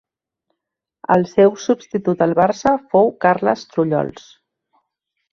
El seu substitut al Barça fou Carles Trullols.